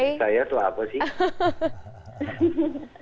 hari saya tuh apa sih